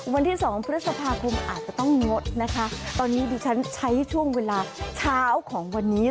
วันที่สองพฤษภาคมอาจจะต้องงดนะคะตอนนี้ดิฉันใช้ช่วงเวลาเช้าของวันนี้